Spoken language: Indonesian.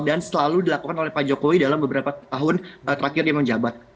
dan selalu dilakukan oleh pak jokowi dalam beberapa tahun terakhir di menjabat